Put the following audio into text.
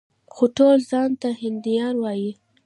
خو ټول ځان ته هندیان وايي.